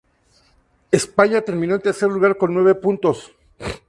España terminó en tercer lugar con nueve puntos.